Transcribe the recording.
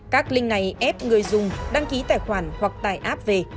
các link này ép người dùng đăng ký tài khoản hoặc tải app về